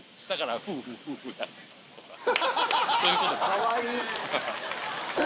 かわいい！